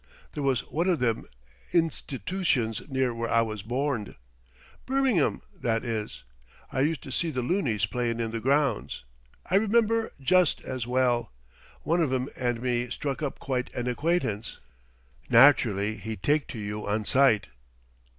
There was one of them institootions near where I was borned Birming'am, that is. I used to see the loonies playin' in the grounds. I remember just as well!... One of 'em and me struck up quite an acquaintance " "Naturally he'd take to you on sight."